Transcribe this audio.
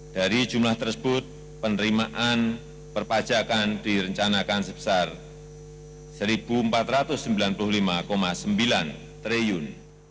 dari jumlah tersebut penerimaan perpajakan direncanakan sebesar rp satu empat ratus sembilan puluh lima sembilan triliun